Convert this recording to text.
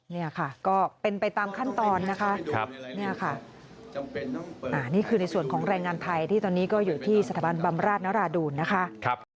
นี่ค่ะก็เป็นไปตามขั้นตอนนะคะเนี่ยค่ะนี่คือในส่วนของแรงงานไทยที่ตอนนี้ก็อยู่ที่สถาบันบำราชนราดูนนะคะ